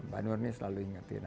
bang nur ini selalu diingetin